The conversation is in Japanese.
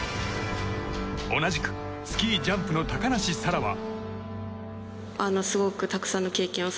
同じくスキージャンプの高梨沙羅は。